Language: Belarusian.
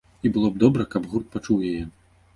І было б добра, каб гурт пачуў яе.